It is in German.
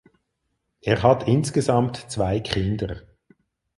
Er hat insgesamt zwei Kinder.